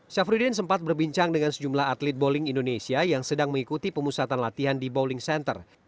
syafruddin sempat berbincang dengan sejumlah atlet bowling indonesia yang sedang mengikuti pemusatan latihan di bowling center